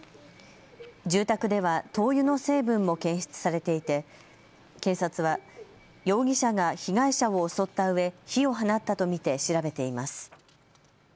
住宅では灯油の成分も検出されていて警察は容疑者が被害者を襲ったうえ火を放ったと見て調べています。